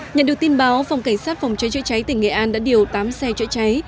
nhận được tin báo phòng cảnh sát phòng cháy chữa cháy tỉnh nghệ an đã điều tám xe chữa cháy